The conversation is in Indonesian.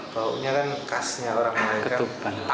bawahnya kan kasnya orang mereka